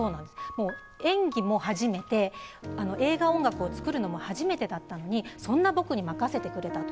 もう演技も初めて、映画音楽を作るのも初めてだったのに、そんな僕に任せてくれたと。